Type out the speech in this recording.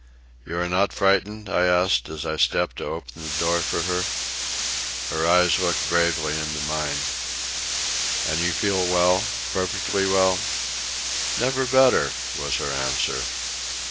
"You are not frightened?" I asked, as I stepped to open the door for her. Her eyes looked bravely into mine. "And you feel well? perfectly well?" "Never better," was her answer.